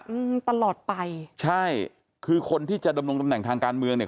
อืมตลอดไปใช่คือคนที่จะดำรงตำแหน่งทางการเมืองเนี้ย